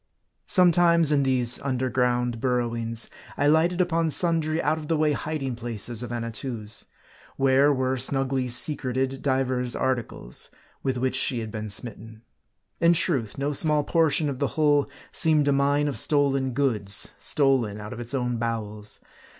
Sometimes, in these under ground burrowings, I lighted upon sundry out of the way hiding places of Annatoo's ; where were snugly secreted divers articles, with which she had been smitten. In truth, no small portion of the hull seemed a mine of stolen goods, stolen out of its own bowels.